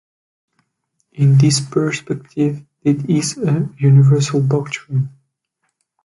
In this perspective, this is a universal doctrine.